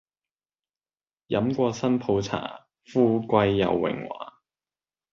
飲過新抱茶，富貴又榮華